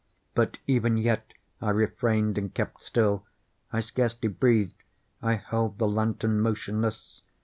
But even yet I refrained and kept still. I scarcely breathed. I held the lantern motionless.